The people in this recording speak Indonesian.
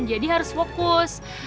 jadi harus fokus